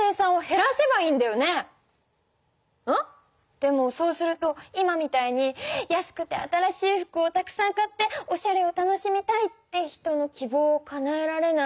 でもそうすると今みたいに安くて新しい服をたくさん買っておしゃれを楽しみたいって人のきぼうをかなえられない。